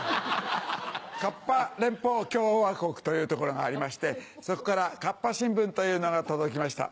河童連邦共和国という所がありましてそこから『かっぱ新聞』というのが届きました。